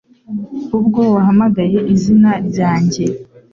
ubwo wahamagaye izina ryanjye